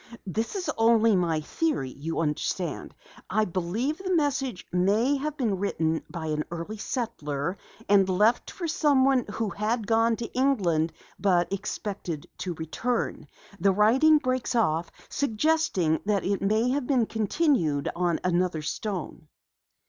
"This is only my theory, you understand. I believe the message may have been written by an early settler and left for someone who had gone to England but expected to return. The writing breaks off, suggesting that it may have been continued on another stone."